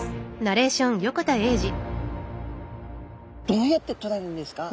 どうやってとられるんですか？